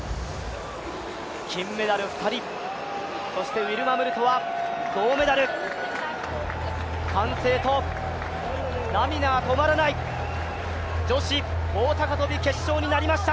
金メダル２人、そしてウィルマ・ムルトは銅メダル歓声と涙が止まらない、女子棒高跳決勝になりました。